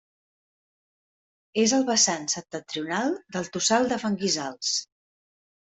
És al vessant septentrional del Tossal de Fanguissals.